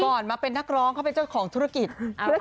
ก่อนมาเป็นนักร้องเขาเป็นเจ้าของธุรกิจ